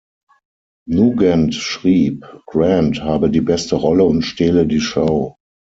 Nugent schrieb, Grant habe die „beste Rolle“ und „stehle die Schau“.